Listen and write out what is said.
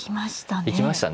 行きましたね。